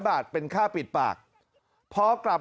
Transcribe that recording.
เมื่อกี้มันร้องพักเดียวเลย